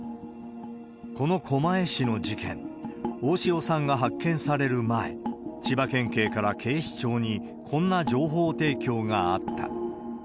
この狛江市の事件、大塩さんが発見される前、千葉県警から警視庁にこんな情報提供があった。